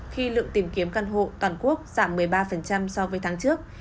khi lượng tìm kiếm căn hộ toàn quốc giảm một mươi ba so với tháng trước